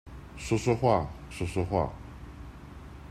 說說話，說說話